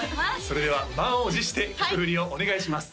それでは満を持して曲振りをお願いします